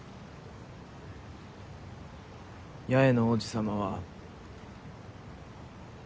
八重の王子様は。